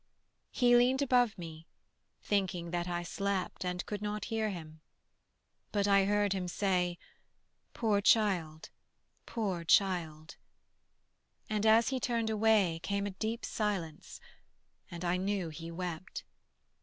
He leaned above me, thinking that I slept And could not hear him; but I heard him say: "Poor child, poor child": and as he turned away Came a deep silence, and I knew he wept.